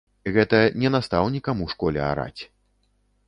Гэта не настаўнікам у школе араць.